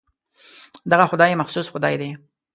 دغه خدای مخصوص خدای دی.